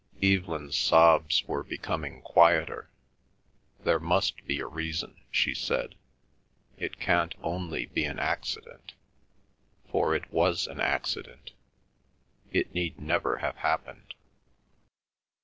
Evelyn's sobs were becoming quieter. "There must be a reason," she said. "It can't only be an accident. For it was an accident—it need never have happened."